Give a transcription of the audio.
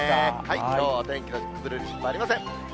きょうはお天気の崩れる心配はありません。